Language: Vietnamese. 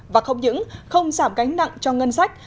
và không những không giảm gánh nặng cho ngân sách